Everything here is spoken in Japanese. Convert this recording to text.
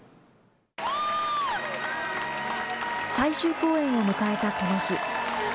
最終公演を迎えたこの日。